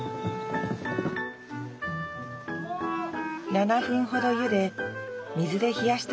７分ほどゆで水で冷やしたら完成。